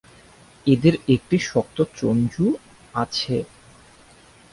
এদের একটি শক্ত চঞ্চু আছে।